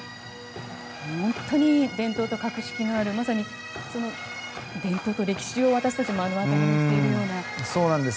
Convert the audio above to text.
本当に伝統と格式のあるまさに伝統と歴史を私たち目の当たりにしているような。